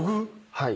はい。